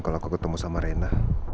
kalau aku ketemu sama rena